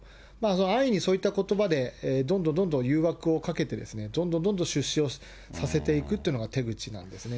安易にそういったことばで、どんどんどんどん誘惑をかけて、どんどんどんどん出資をさせていくというのが手口なんですね。